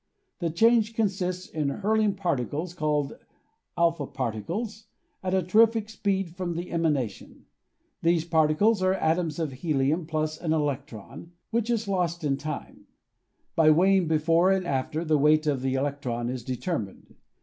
The change consists in hurling particles, called a particles, at a terrific speed from the emanation. These particles are atoms of helium plus an electron, which is lost xviii INTRODUCTION in time. By weighing before and after, the weight of the electron is determined.